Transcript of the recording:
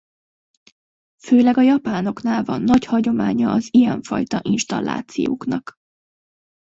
Főleg a japánoknál van nagy hagyománya az ilyen fajta installációknak.